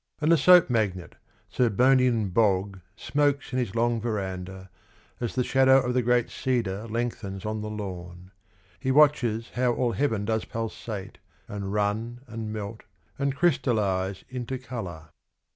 And the soap magnate, Sir Bonian Bogg, Smokes in his long verandah, as the shadow Of the great cedar lengthens on the lawn, He watches how all heaven does pulsate And run and melt, and crystallise into colour.